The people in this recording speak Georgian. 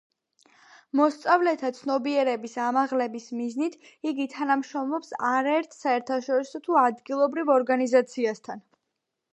მოსწავლეთა ცნობიერების ამაღლების მიზნით იგი თანამშრომლობს არაერთ საერთაშორისო თუ ადგილობრივ ორგანიზაციასთან.